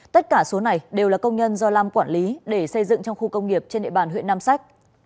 tất cả số này đều là công nhân do lam quản lý để xây dựng trong khu công nghiệp trên địa bàn huyện nam sách